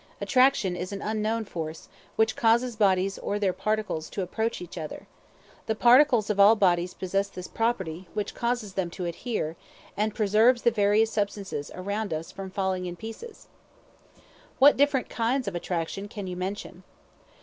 Attraction is an unknown force, which causes bodies or their particles to approach each other. The particles of all bodies possess this property, which causes them to adhere, and preserves the various substances around us from falling in pieces. What different kinds of Attraction can you mention?